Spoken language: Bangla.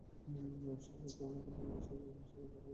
সভায় বলা হয়, ধর্মঘটের বিষয়ে জেলা সড়ক পরিবহন মালিক গ্রুপ অবগত নয়।